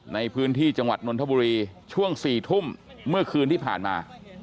ในพื้นที่จังหวัดนนทบุรีช่วง๔ทุ่มเมื่อคืนที่ผ่านมา